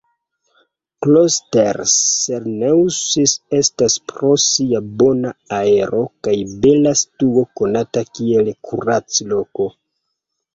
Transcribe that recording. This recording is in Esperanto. Klosters-Serneus estas pro sia bona aero kaj bela situo konata kiel kuracloko.